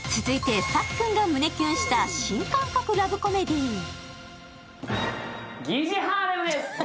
続いて、さっくんが胸キュンした新感覚ラブコメディー。